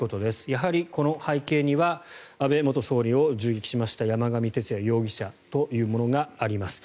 やはりこの背景には安倍元総理を銃撃しました山上徹也容疑者というものがあります。